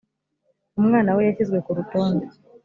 umwana we yashyizwe ku rutonde